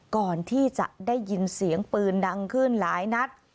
ก่อนที่จะได้ยินเสียงปืนดังขึ้นหลายนัด